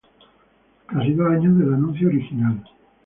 Casi dos años del anuncio original.